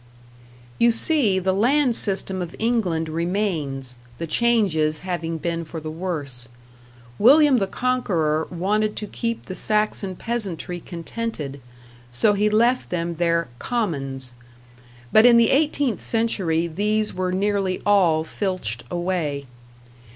You see, the land system of England remains the changes having been for the worse. William the Conqueror wanted to keep the Saxon peasantry contented, so he left them their "commons"; but in the eighteenth century these were nearly all filched away.